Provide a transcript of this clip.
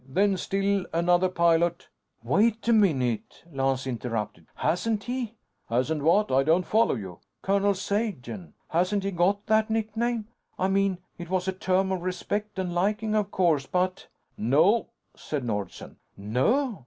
Then, still another pilot " "Wait a minute!" Lance interrupted. "Hasn't he?" "Hasn't what? I don't follow you." "Colonel Sagen. Hasn't he got that nickname? I mean, it was a term of respect and liking, of course. But " "No," said Nordsen. "No?"